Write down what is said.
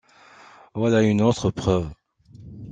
Voilà une autre preuve